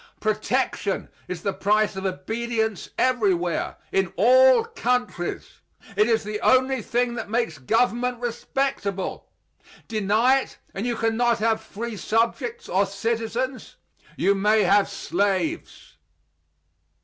Protection is the price of obedience everywhere, in all countries. It is the only thing that makes government respectable. Deny it and you can not have free subjects or citizens; you may have slaves.